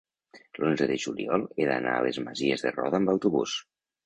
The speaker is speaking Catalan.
l'onze de juliol he d'anar a les Masies de Roda amb autobús.